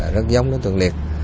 rất giống đối tượng liệt